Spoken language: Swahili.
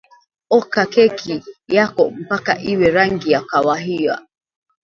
oka keki yako mpaka iwe rangi ya kahawia